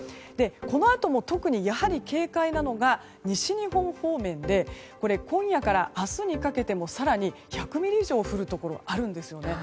このあとも特にやはり警戒なのが西日本方面で今夜から明日にかけても更に１００ミリ以上降るところがあるんですよね。